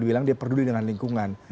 bilang dia peduli dengan lingkungan